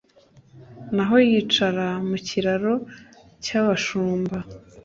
naho yicara mukiraro cyabashumba